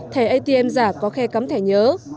thẻ atm giả có khe cắm thẻ nhớ